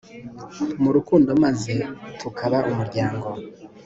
mu rukundo, maze tukaba umuryango